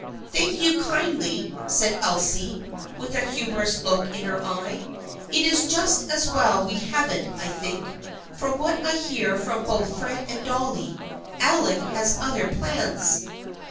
" Thank you kindly," said Elsie with a humor ous look in her eyes. " It is just as well we haven't, I think. From what I hear from both Fred and Dolly, Alec has other plans."